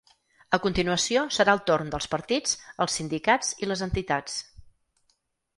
A continuació, serà el torn dels partits, els sindicats i les entitats.